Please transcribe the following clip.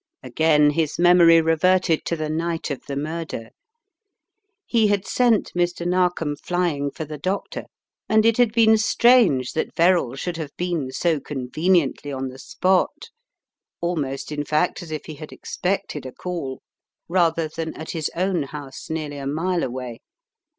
Again his memory reverted to the night of the mur der. He had sent Mr. Narkom flying for the doctor, and it had been strange that Verrall should have been so conveniently on the spot — almost, in fact, as if he had expected a call — rather than at his own house, nearly a mile away.